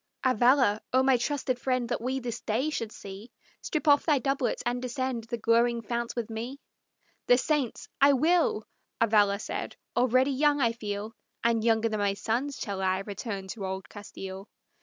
"Avalla, O my trusty friend that we this day should see! Strip off thy doublet and descend the glowing fount with me!" "The saints! I will," Avalla said. "Already young I feel, And younger than my sons shall I return to old Castile."